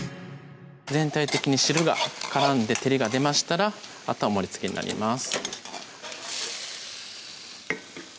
全体的に汁が絡んで照りが出ましたらあとは盛りつけになります